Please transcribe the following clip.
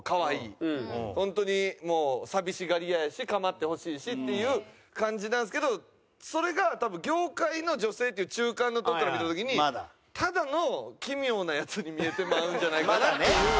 ホントにもう寂しがり屋やし構ってほしいしっていう感じなんですけどそれが多分業界の女性っていう中間のとこから見た時にただの奇妙なヤツに見えてまうんじゃないかなっていう。